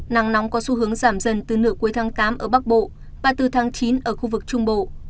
nắng nóng có xu hướng giảm dần từ nửa cuối tháng tám ở bắc bộ và từ tháng chín ở khu vực trung bộ